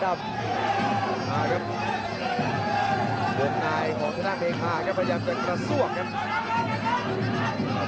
อ่าครับบวกนายของสถานเพคะครับพยายามจะกระซวกครับ